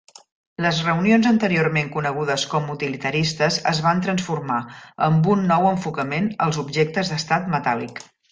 Les reunions anteriorment conegudes com utilitaristes es van transformar, amb un nou enfocament als objectes d'estat metàl·lic.